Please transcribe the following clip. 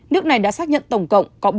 nước này đã xác nhận tổng cộng có